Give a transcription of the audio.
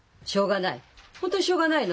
しょうがない？